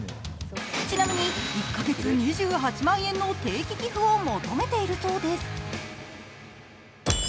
ちなみに１カ月２８万円の定期寄付を求めているそうです。